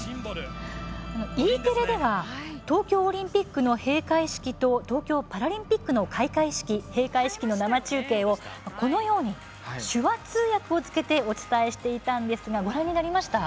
Ｅテレでは東京オリンピックの閉会式と東京パラリンピックの開閉会式の生中継を手話通訳をつけてお伝えしていたのをご存じでしたか？